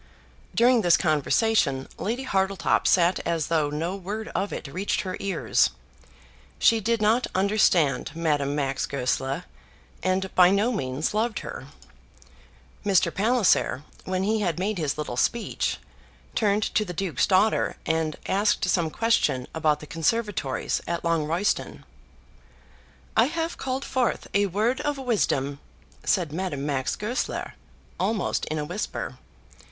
During this conversation Lady Hartletop sat as though no word of it reached her ears. She did not understand Madame Max Goesler, and by no means loved her. Mr. Palliser, when he had made his little speech, turned to the Duke's daughter and asked some question about the conservatories at Longroyston. "I have called forth a word of wisdom," said Madame Max Goesler, almost in a whisper.